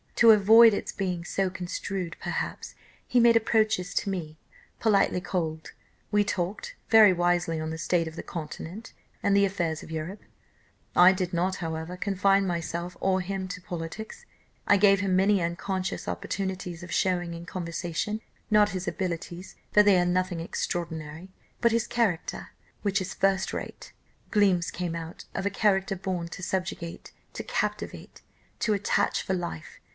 To avoid its being so construed, perhaps, he made approaches to me, politely cold; we talked very wisely on the state of the Continent and the affairs of Europe; I did not, however, confine myself or him to politics, I gave him many unconscious opportunities of showing in conversation, not his abilities, for they are nothing extraordinary; but his character, which is first rate. Gleams came out, of a character born to subjugate, to captivate, to attach for life.